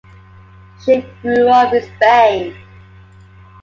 She grew up in Spain.